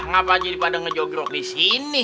kenapa aja pada ngejogrok disini